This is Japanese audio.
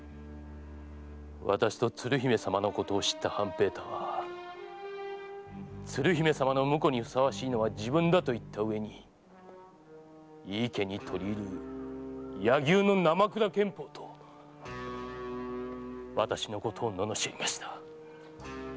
私と鶴姫様のことを知った半平太は鶴姫様の婿にふさわしいのは自分だと言ったうえに井伊家に取り入る柳生のなまくら剣法と私のことを罵りました。